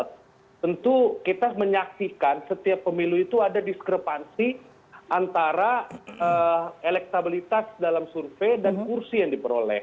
tentu kita menyaksikan setiap pemilu itu ada diskrepansi antara elektabilitas dalam survei dan kursi yang diperoleh